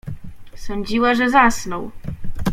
Sądziła, że zasnął.